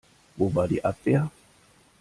Wo war die Abwehr?